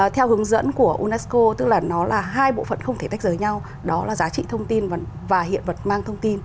theo hướng dẫn của unesco tức là nó là hai bộ phận không thể tách rời nhau đó là giá trị thông tin và hiện vật mang thông tin